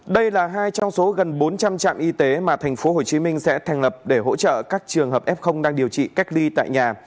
đây là hai trong số gần bốn trăm linh trạm y tế mà tp hcm sẽ thành lập để hỗ trợ các trường hợp f đang điều trị cách ly tại nhà